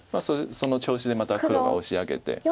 その調子でまた黒がオシ上げて。